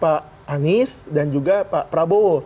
pak anies dan juga pak prabowo